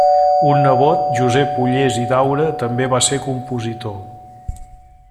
Un nebot, Josep Ullés i Daura, també va ser compositor.